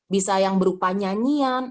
bisa yang berupa nyanyian